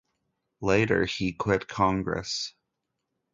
Later he quit Congress.